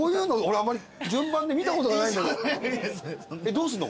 どうすんの？